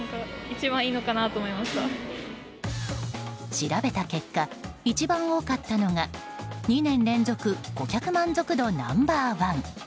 調べた結果、一番多かったのが２年連続顧客満足度ナンバー１。